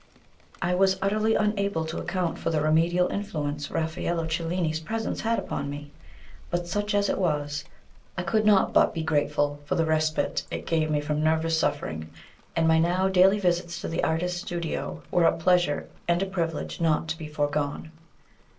I was utterly unable to account for the remedial influence Raffaello Cellini's presence had upon me; but such as it was I could not but be grateful for the respite it gave me from nervous suffering, and my now daily visits to the artist's studio were a pleasure and a privilege not to be foregone.